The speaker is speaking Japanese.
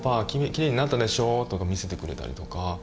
きれいになったでしょ」とか見せてくれたりとか。